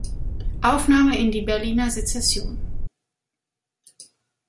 Aufnahme in die Berliner Secession.